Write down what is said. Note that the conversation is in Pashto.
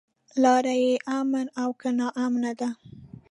لاره يې امن او که ناامنه ده.